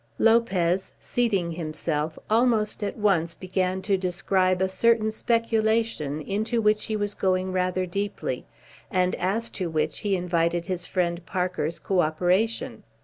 Lopez, seating himself, almost at once began to describe a certain speculation into which he was going rather deeply, and as to which he invited his friend Parker's co operation.